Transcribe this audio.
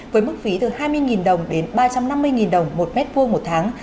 với mức phí từ hai mươi đồng đến ba trăm năm mươi đồng một m hai một tháng